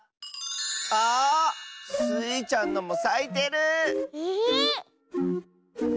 あ！スイちゃんのもさいてる！え？